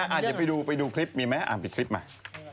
อย่าไปดูไปดูคลิปมีไหมอ่านไปคลิปมา